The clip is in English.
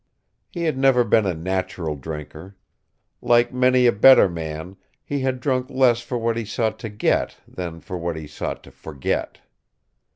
He had never been a natural drinker. Like many a better man he had drunk less for what he sought to get than for what he sought to forget.